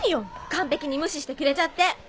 完璧に無視してくれちゃって！